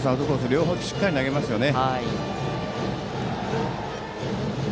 両方しっかり投げますよね。